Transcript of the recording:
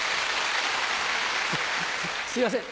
すいません